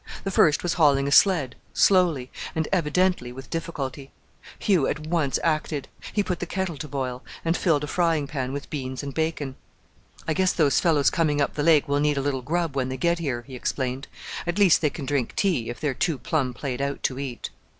The first was hauling a sled, slowly, and evidently with difficulty. Hugh at once acted. He put the kettle to boil, and filled a frying pan with beans and bacon. "I guess those fellows coming up the lake will need a little grub when they get here," he explained; "at least they can drink tea, if they are too plumb played out to eat."